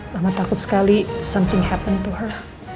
mama takut sekali something happen to her